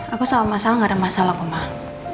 aku sama masalah gak ada masalah kumah